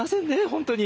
本当に。